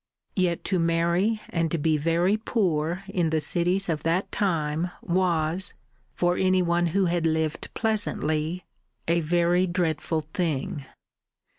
Yet to marry and be very poor in the cities of that time was for any one who had lived pleasantly a very dreadful thing.